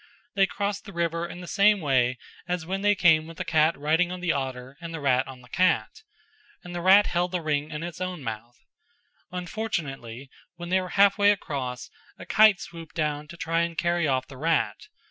They crossed the river in the same way as when they came with the cat riding on the otter and the rat on the cat: and the rat held the ring in its mouth. Unfortunately when they were halfway across, a kite swooped down to try and carry off the rat.